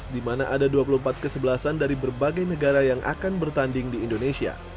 di mana ada dua puluh empat kesebelasan dari berbagai negara yang akan bertanding di indonesia